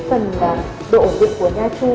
phần độ ổn định của nhai chú